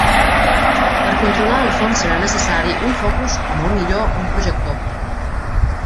Per controlar el fons serà necessari un focus o molt millor un projector.